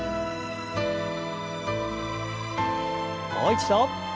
もう一度。